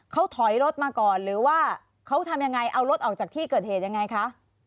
เขาถอยรถมาก่อนหรือว่าเขาทำยังไงเอารถออกจากที่เกิดเหตุยังไงคะ